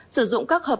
sử dụng các hợp đồng